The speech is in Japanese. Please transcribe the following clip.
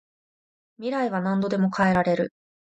未来は何度でも変えられる